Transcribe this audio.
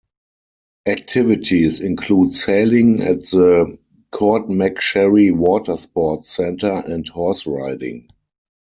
Activities include sailing at the Courtmacsherry Water Sports Center and horse-riding.